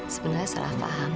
sebenarnya salah paham